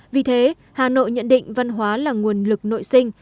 vì thế hà nội nhận định văn hóa là nguồn lực nội sinh